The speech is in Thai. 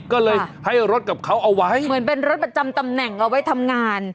ก็เลยให้รถกับเขาเอาไว้เหมือนเป็นรถประจำตำแหน่งเอาไว้ทำงาน